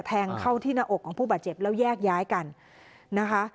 แทงเข้าที่หน้าอกของผู้บาดเจ็บแล้วแยกย้ายกันนะคะ